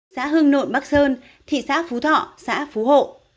xã hương nội bắc sơn thị xã phú thọ xã phú hộ